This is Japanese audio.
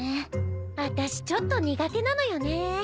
あたしちょっと苦手なのよね。